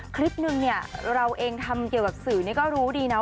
คลิปนึงเนี่ยเราเองทำเกี่ยวกับสื่อก็รู้ดีนะ